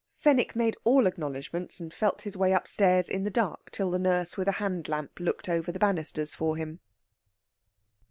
Fenwick made all acknowledgments, and felt his way upstairs in the dark till the nurse with a hand lamp looked over the banisters for him.